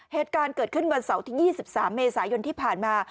เหตุการณ์เกิดขึ้นวันเสาร์ที่๒๓เมษายนที่ผ่านมา